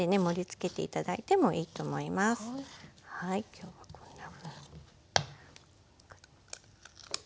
今日はこんなふうに。